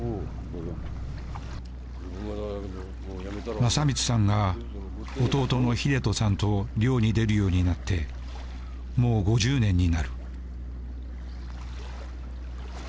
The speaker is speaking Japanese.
正光さんが弟の英人さんと漁に出るようになってもう５０年になる。